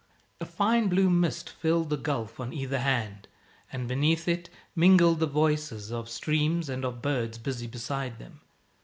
A fine blue mist filled the gulf on either hand, and beneath it mingled the voices of streams and of birds busy beside them.